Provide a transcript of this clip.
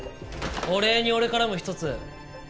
お礼に俺からも一つ。